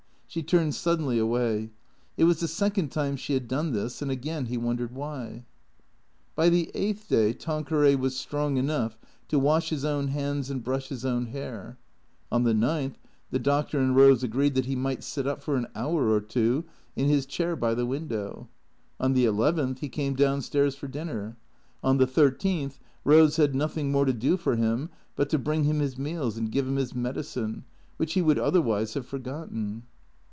She turned suddenly away. It was the second time she had done this, and again he wondered why. By the eighth day Tanqueray was strong enough to wash his own hands and brush his own hair. On the ninth the doctor and Rose agreed that he might sit up for an hour or two in his chair by the window. On the eleventh he came down stairs for dinner. On the thirteenth Rose had nothing more to do for him but to bring him his meals and give him his medicine, which he would otherwise have forgotten.